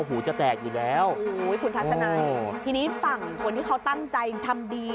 หูจะแตกอยู่แล้วคุณทัศนัยทีนี้ฝั่งคนที่เขาตั้งใจทำดี